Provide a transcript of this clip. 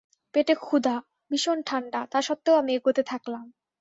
পেটে ক্ষুধা, ভীষণ ঠান্ডা, তা সত্ত্বেও আমি এগোতে থাকলাম।